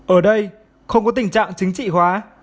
ở đây không có tình trạng chính trị hóa